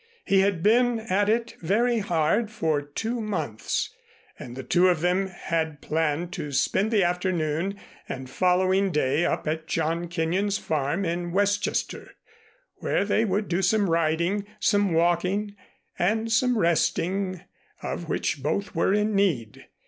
He had been at it very hard for two months, and the two of them had planned to spend the afternoon and following day up at John Kenyon's farm in Westchester, where they would do some riding, some walking and some resting, of which both were in need.